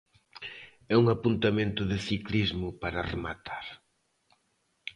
E un apuntamento de ciclismo para rematar.